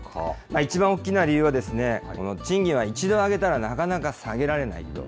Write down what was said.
一番大きな理由は、この賃金は一度上げたらなかなか下げられないと。